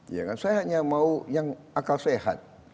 ya kan saya hanya mau yang akal sehat